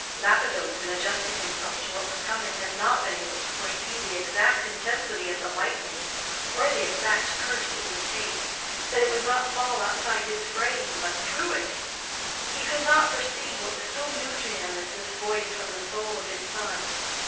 '" Lapidoth, in adjusting himself to what was coming, had not been able to foresee the exact intensity of the lightning or the exact course it would take—that it would not fall outside his frame but through it. He could not foresee what was so new to him as this voice from the soul of his son.